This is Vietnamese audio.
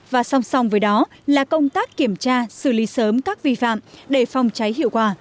và song song với đó là công tác kiểm tra xử lý sớm các vi phạm để phòng cháy hiệu quả